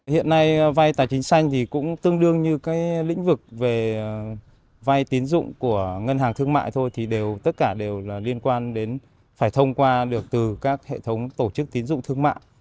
hiện nay vay tài chính xanh thì cũng tương đương như cái lĩnh vực về vay tín dụng của ngân hàng thương mại thôi thì đều tất cả đều là liên quan đến phải thông qua được từ các hệ thống tổ chức tín dụng thương mại